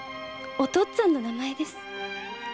お父っつぁんの名前です。